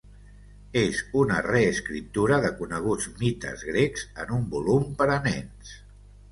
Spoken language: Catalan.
És una reescriptura de coneguts mites grecs en un volum per a nens.